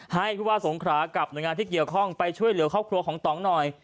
ให้ผู้ว่าสงขรากับหน่วยงานที่เกี่ยวข้องไปช่วยเหลือครอบครัวของตองหน่อย